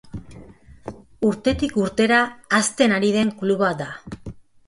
Urtetik urtera hazten ari den kluba da.